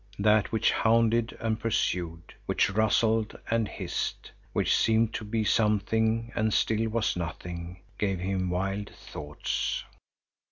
That which hounded and pursued, which rustled and hissed, which seemed to be something and still was nothing, gave him wild thoughts.